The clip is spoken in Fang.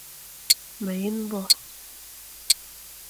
Ma yen bo ;